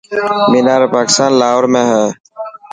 مينار پاڪستان لاهور ۾ هي.